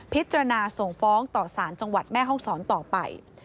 พิจารณาส่งฟ้องต่อสารจังหวัดแม่ห้องศรต่อไป